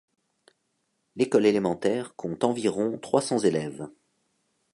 L’école élémentaire compte environ trois cents élèves.